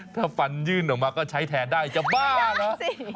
ถ้าฟันยื่นออกมาก็ใช้แทนได้จะบ้าเหรอ